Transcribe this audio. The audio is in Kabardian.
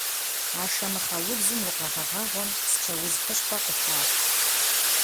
Ашэмыхъэ удзым и къэгъэгъэгъуэм псчэуз хущхъуэ къыхах.